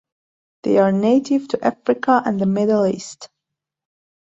They are native to Africa and the Middle East.